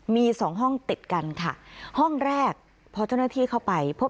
มีสองห้องติดกันค่ะห้องแรกพอเจ้าหน้าที่เข้าไปพบ